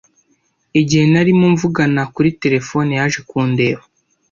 Igihe narimo mvugana kuri terefone, yaje kundeba.